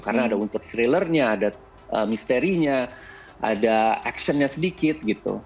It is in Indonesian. karena ada unsur thrillernya ada misterinya ada actionnya sedikit gitu